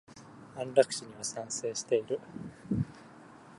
安楽死には賛成している。